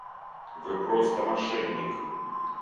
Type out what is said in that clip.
Вы просто мошенник.